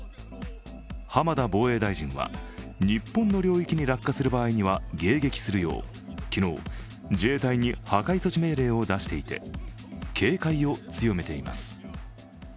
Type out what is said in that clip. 浜田防衛大臣は、日本の領域に落下する場合は迎撃するよう昨日自衛隊に破壊措置命令を出していて、警戒を強めています。